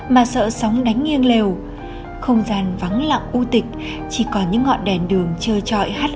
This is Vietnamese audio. mà sợ sóng đánh nghiêng lều không gian vắng lặng u tịch chỉ còn những ngọn đèn đường chơi trọi hắt